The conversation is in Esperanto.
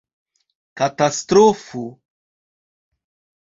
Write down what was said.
katastrofo